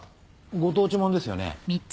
ご当地ものですよね？